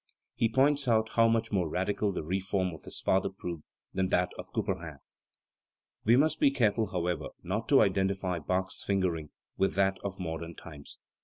He points out how much more radical the reform of his father proved than that of Couperin. We must be careful, however, not to identify Bach's fingering with that of modern times.